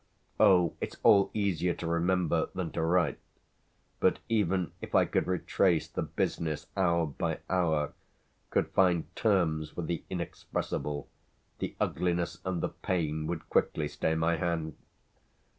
Oh, it's all easier to remember than to write, but even if I could retrace the business hour by hour, could find terms for the inexpressible, the ugliness and the pain would quickly stay my hand.